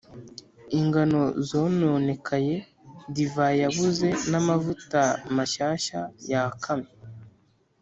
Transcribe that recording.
ingano zononekaye, divayi yabuze n’amavuta mashyashya yakamye.